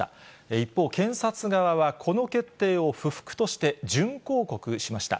一方、検察側はこの決定を不服として準抗告しました。